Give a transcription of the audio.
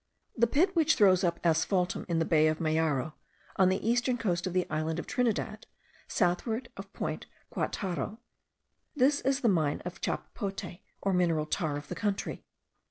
The pit which throws up asphaltum in the bay of Mayaro, on the eastern coast of the island of Trinidad, southward of Point Guataro. This is the mine of chapapote or mineral tar of the country.